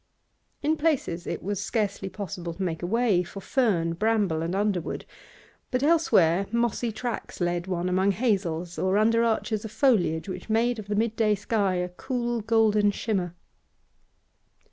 In places it was scarcely possible to make a way for fern, bramble, and underwood, but elsewhere mossy tracks led one among hazels or under arches of foliage which made of the mid day sky a cool, golden shimmer.